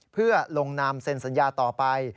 เพื่อลงนามเซ็นสัญญาต่อไป